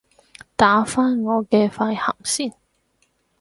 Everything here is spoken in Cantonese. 打返我嘅快含先